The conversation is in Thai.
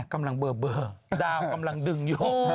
กำลังเบอร์ดาวกำลังดึงอยู่